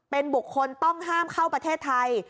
เป็นบุคคลต้องห้ามเข้าประเทศไทย